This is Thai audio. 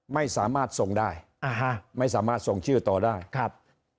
ไม่สามารถส่งได้อ่าฮะไม่สามารถส่งชื่อต่อได้ครับ